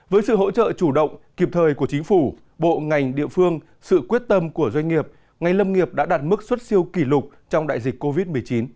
với sự hỗ trợ chủ động kịp thời của chính phủ bộ ngành địa phương sự quyết tâm của doanh nghiệp ngành lâm nghiệp đã đạt mức xuất siêu kỷ lục trong đại dịch covid một mươi chín